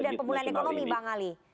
dan pemulihan ekonomi bang ali